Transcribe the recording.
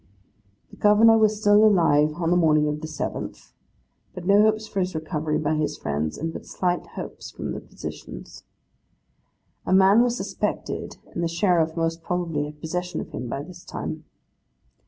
The Governor was still alive on the morning of the 7th; but no hopes for his recovery by his friends, and but slight hopes from his physicians. 'A man was suspected, and the Sheriff most probably has possession of him by this time.